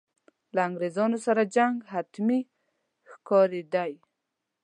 له انګرېزانو سره جنګ حتمي ښکارېدی.